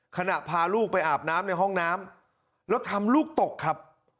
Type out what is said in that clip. พาลูกไปอาบน้ำในห้องน้ำแล้วทำลูกตกครับ